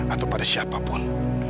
atau pada siapapun